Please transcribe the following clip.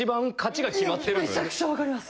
めちゃくちゃわかります。